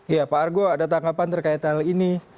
ya pak argo ada tanggapan terkait hal ini